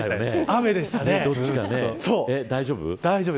大丈夫。